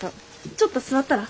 ちょっと座ったら？